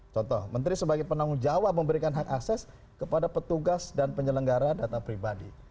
contoh menteri sebagai penanggung jawab memberikan hak akses kepada petugas dan penyelenggara data pribadi